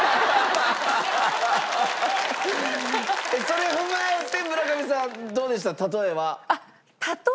それ踏まえて村上さんどうでした？例えは。